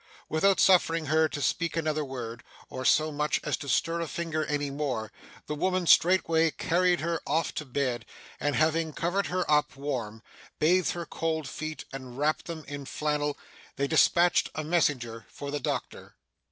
Without suffering her to speak another word, or so much as to stir a finger any more, the women straightway carried her off to bed; and, having covered her up warm, bathed her cold feet, and wrapped them in flannel, they despatched a messenger for the doctor.